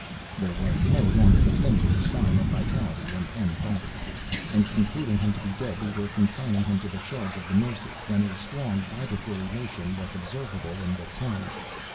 There was no longer the faintest sign of vitality in M. Valdemar; and concluding him to be dead, we were consigning him to the charge of the nurses, when a strong vibratory motion was observable in the tongue.